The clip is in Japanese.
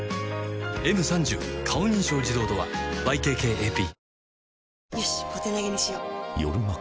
「Ｍ３０ 顔認証自動ドア」ＹＫＫＡＰ